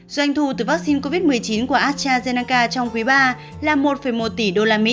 doanh thu từ vaccine covid một mươi chín của astrazeneca trong quý ba là một một tỷ usd